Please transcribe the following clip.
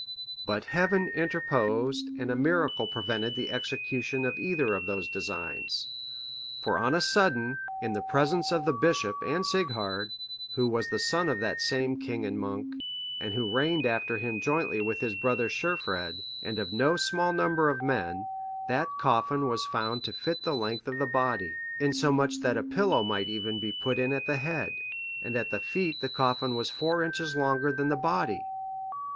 But Heaven interposed and a miracle prevented the execution of either of those designs; for on a sudden, in the presence of the bishop and Sighard, who was the son of that same king and monk, and who reigned after him jointly with his brother Suefred,(589) and of no small number of men, that coffin was found to fit the length of the body, insomuch that a pillow might even be put in at the head; and at the feet the coffin was four inches longer than the body.